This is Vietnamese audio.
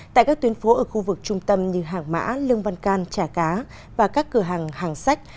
tại các tuyến phố ở khu vực trung tâm như hàng mã lương văn can trà cá và các cửa hàng hàng sách